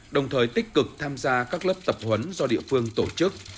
đồng thời tích cực tham gia các lớp tập huấn do địa phương tổ chức